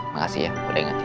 makasih ya boleh ingetin